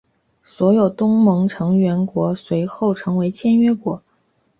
所有东盟成员国随后成为签约国。